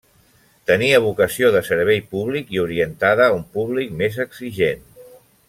Tenia vocació de servei públic i orientada a un públic més exigent.